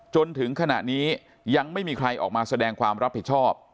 จนถึงขณะนี้ยังไม่มีใครออกมาแสดงความรับผิดชอบ